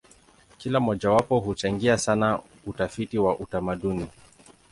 Kila mojawapo huchangia sana utafiti wa utamaduni.